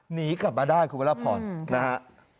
หนีกลับมาได้คุณพระราพรนะฮะ